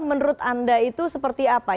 menurut anda itu seperti apa